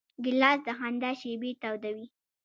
ګیلاس د خندا شېبې تودوي.